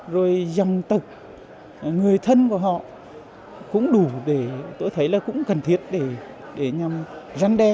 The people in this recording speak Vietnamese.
rồi dòng tật người thân của họ cũng đủ để tôi thấy là cũng cần thiết để nhằm răn đe